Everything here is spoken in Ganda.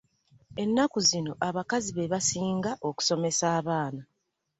Ennaku zino abakazi bebasinga okusomesa abaana.